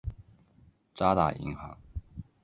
渣打银行。